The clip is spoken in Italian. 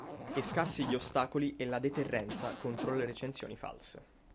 E scarsi gli ostacoli e la deterrenza contro le recensioni false.